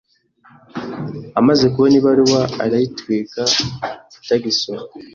Amaze kubona ibaruwa, arayitwika atagisoma.